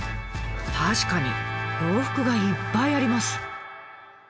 確かに洋服がいっぱいあります。